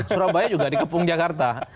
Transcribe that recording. surabaya juga dikepung jakarta